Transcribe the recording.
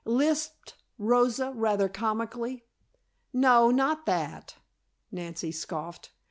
lisped Rosa rather comically. "No, not that," Nancy scoffed.